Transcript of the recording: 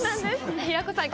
平子さん